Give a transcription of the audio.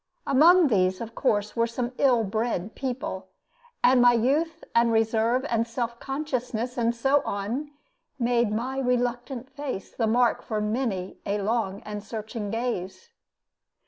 Among these, of course, were some ill bred people, and my youth and reserve and self consciousness, and so on, made my reluctant face the mark for many a long and searching gaze.